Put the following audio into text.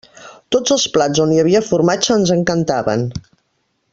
Tots els plats on hi havia formatge ens encantaven.